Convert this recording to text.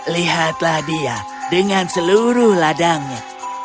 lihatlah dia dengan seluruh ladangnya